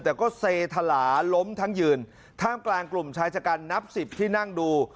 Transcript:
แต่ก็เซธลาล้มทั้งยืนท่ามกลางกลุ่มชายชะกันนับสิบที่นั่งดู